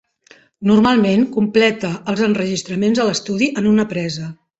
Normalment completa els enregistraments a l'estudi en una presa.